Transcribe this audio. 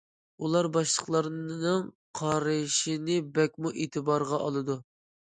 ئۇلار باشقىلارنىڭ قارىشىنى بەكمۇ ئېتىبارغا ئالىدۇ.